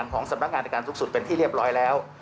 ของสำนักงานในการสูงสุดเป็นที่เรียบร้อยแล้ว